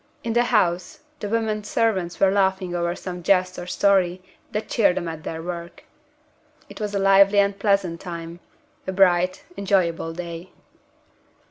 In the house, the women servants were laughing over some jest or story that cheered them at their work. It was a lively and pleasant time a bright, enjoyable day.